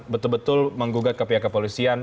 betul betul menggugat ke pihak kepolisian